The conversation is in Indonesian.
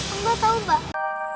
enggak tau mbak